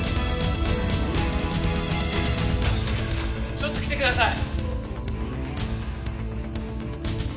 ちょっと来てください！